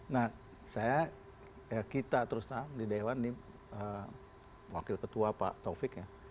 nah saya kita terus terang di dewan wakil ketua pak taufik ya